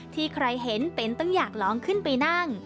ที่ใครเห็นเป็นต้องอยากลองขึ้นไปนั่ง